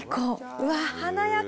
うわっ、華やか。